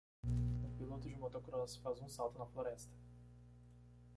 Um piloto de motocross faz um salto na floresta.